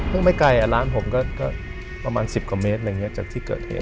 เพิ่งไม่ไกลร้านผมก็ประมาณสิบกว่าเมตรแบบนี้จากที่เกิดเห็น